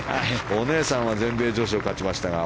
お姉さんは全米女子を勝ちましたが。